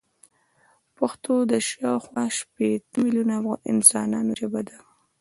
پښتو د شاوخوا شپيته ميليونه انسانانو ژبه ده.